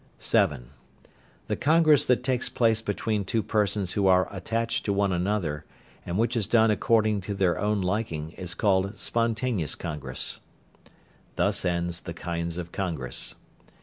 (7). The congress that takes place between two persons who are attached to one another, and which is done according to their own liking is called "spontaneous congress." Thus ends the kinds of congress.